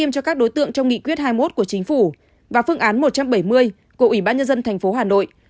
cho các đối tượng trong nghị quyết hai mươi một của chính phủ và phương án một trăm bảy mươi của ủy ban nhân dân tp hà nội